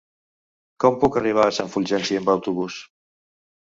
Com puc arribar a Sant Fulgenci amb autobús?